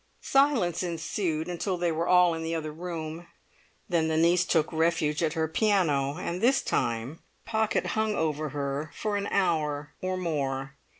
Silence ensued until they were all in the other room; then the niece took refuge at her piano, and this time Pocket hung over her for an hour or more.